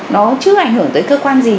nó chưa ảnh hưởng tới cơ quan gì